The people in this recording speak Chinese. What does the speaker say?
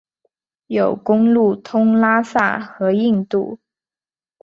有公路通拉萨和印度。